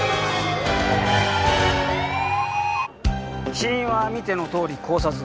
死因は見てのとおり絞殺。